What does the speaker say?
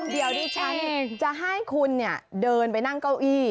เดี๋ยวดิฉันจะให้คุณเดินไปนั่งเก้าอี้